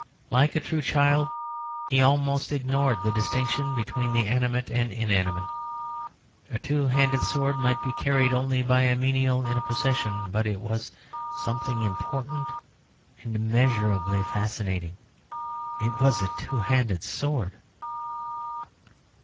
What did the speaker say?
Like a true child, he almost ignored the distinction between the animate and inanimate. A two handed sword might be carried only by a menial in a procession, but it was something important and immeasurably fascinating it was a two handed sword.